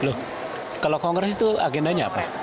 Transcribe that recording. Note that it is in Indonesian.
loh kalau kongres itu agendanya apa